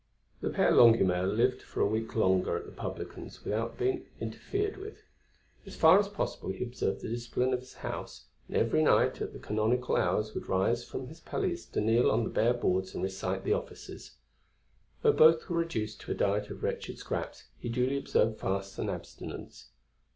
The Père Longuemare lived for a week longer at the publican's without being interfered with. As far as possible he observed the discipline of his House and every night at the canonical hours would rise from his palliasse to kneel on the bare boards and recite the offices. Though both were reduced to a diet of wretched scraps, he duly observed fasts and abstinence.